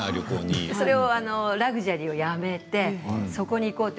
そのラグジュアリーをやめてそこに行こうと。